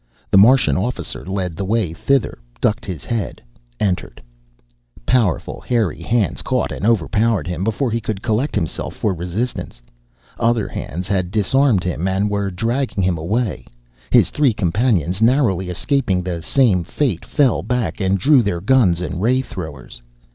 The Martian officer led the way thither, ducked his head, entered Powerful hairy hands caught and overpowered him. Before he could collect himself for resistance, other hands had disarmed him and were dragging him away. His three companions, narrowly escaping the same fate, fell back and drew their guns and ray throwers.